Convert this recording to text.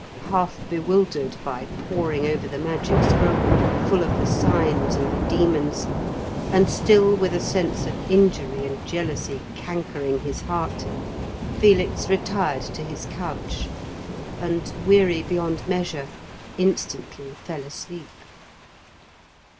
Half bewildered by poring over the magic scroll, full of the signs and the demons, and still with a sense of injury and jealousy cankering his heart, Felix retired to his couch, and, weary beyond measure, instantly fell asleep.